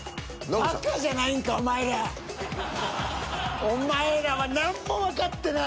バカじゃないんかお前ら！お前らは何もわかってない！